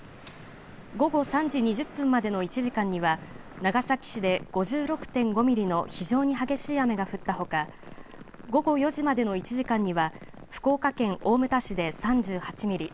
午後３時２０分までの１時間には長崎市で５６．５ミリの非常に激しい雨が降ったほか午後４時までの１時間には福岡県大牟田市で３８ミリ。